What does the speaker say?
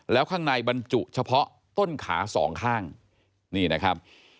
แล้วข้างในบรรจุเฉพาะต้นขาสองข้างนี่นะครับ